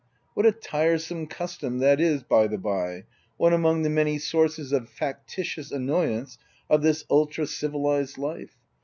What a tiresome custom that is, by the by — one among the many sources of factitious annoyance of this ultra civilized life.